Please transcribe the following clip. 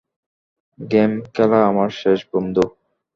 Game খেলা আমার শেষ, বন্ধু।